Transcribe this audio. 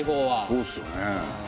そうっすよね。